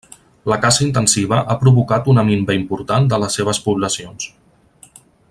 La caça intensiva ha provocat una minva important de les seves poblacions.